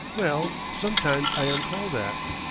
"Well, sometimes I am called that."